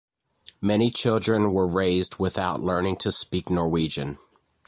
Many children were raised without learning to speak Norwegian.